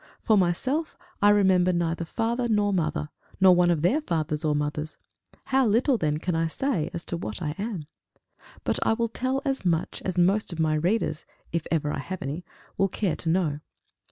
For myself, I remember neither father nor mother, nor one of their fathers or mothers: how little then can I say as to what I am! But I will tell as much as most of my readers, if ever I have any, will care to know.